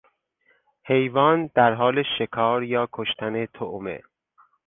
حیوان در حال شکار یا کشتن طعمه